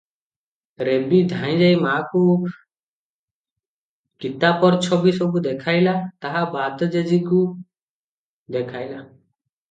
ରେବୀ ଧାଇଁ ଯାଇ ମା’କୁ କିତାପର ଛବି ସବୁ ଦେଖେଇଲା; ତାହା ବାଦ ଜେଜୀକୁ ଦେଖାଇଲା ।